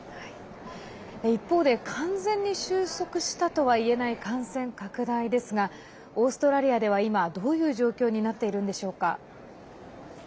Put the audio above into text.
一方で完全に収束したとはいえない感染拡大ですがオーストラリアでは今どういう状況になっているんでしょうか？